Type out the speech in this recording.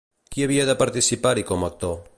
Qui havia de participar-hi com a actor?